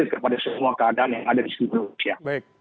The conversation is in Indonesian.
kepada semua keadaan yang ada di seluruh indonesia